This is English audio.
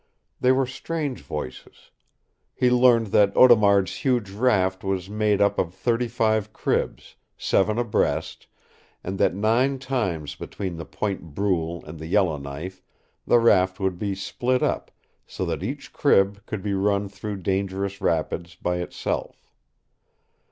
They were strange voices. He learned that Audemard's huge raft was made up of thirty five cribs, seven abreast, and that nine times between the Point Brule and the Yellowknife the raft would be split up, so that each crib could be run through dangerous rapids by itself.